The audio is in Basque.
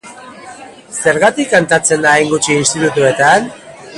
Zergatik kantatzen da hain gutxi institutuetan?